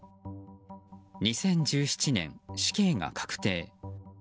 ２０１７年、死刑が確定。